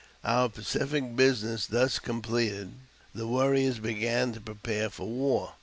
Our pacific business thus completed, the warriors began to prepare for war.